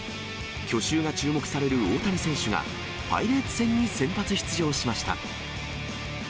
去就が注目される大谷選手が、パイレーツ戦に先発出場しました。